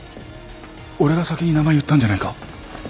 俺が先に名前言ったんじゃないか？